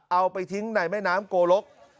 เอาไปทิ้งในแม่น้ำโกลก